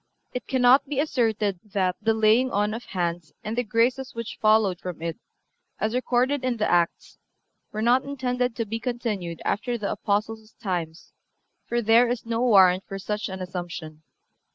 It cannot be asserted that the laying on of hands and the graces which followed from it, as recorded in the Acts, were not intended to be continued after the Apostles' times, for there is no warrant for such an assumption.